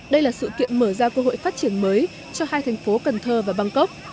đây là sự kiện mở ra cơ hội phát triển mới cho hai thành phố cần thơ và bangkok